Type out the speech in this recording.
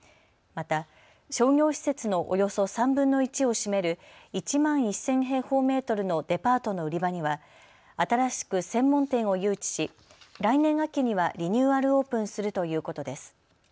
また、商業施設のおよそ３分の１を占める１万１０００平方メートルのデパートの売り場には新しく専門店を誘致し来年秋にはリニューアルオープンするということです。